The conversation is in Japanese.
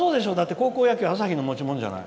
高校野球は、朝日の持ち物じゃない。